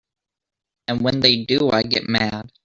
And when they do I get mad.